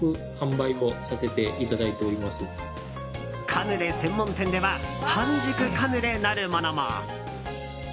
カヌレ専門店では半熟カヌレなるものも。